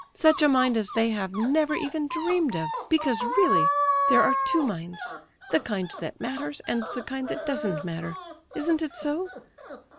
Such a mind as they have never even dreamed of; because really, there are two minds—the kind that matters, and the kind that doesn't matter. Isn't it so?"